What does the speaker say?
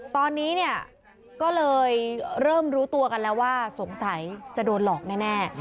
ตอนนี้เนี่ยก็เลยเริ่มรู้ตัวกันแล้วว่าสงสัยจะโดนหลอกแน่